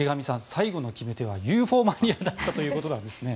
最後の決め手はＵＦＯマニアだったということなんですね。